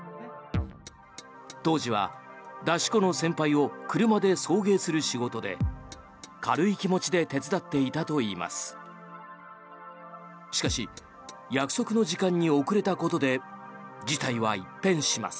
当時は出し子の先輩を車で送迎する仕事で軽い気持ちで手伝っていたといいます。